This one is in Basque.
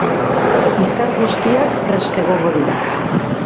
Izar guztiak prest egongo dira.